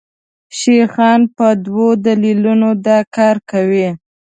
شیخان په دوو دلیلونو دا کار کوي.